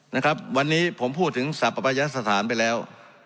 นะครับวันนี้ผมพูดถึงสรรพยสถานไปแล้ว